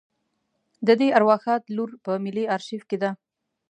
د دې ارواښاد لور په ملي آرشیف کې ده.